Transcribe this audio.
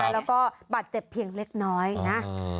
แล้วก็บาดเจ็บเพียงเล็กน้อยนะ